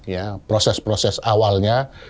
ya proses proses awalnya